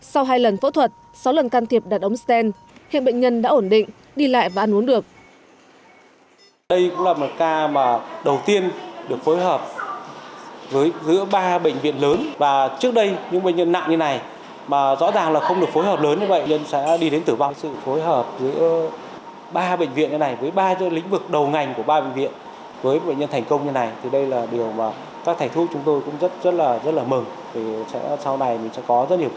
sau hai lần phẫu thuật sáu lần can thiệp đặt ống stent hiện bệnh nhân đã ổn định đi lại và ăn uống được